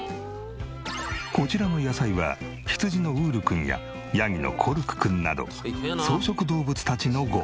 こちらの野菜は羊のウール君やヤギのコルク君など草食動物たちのご飯。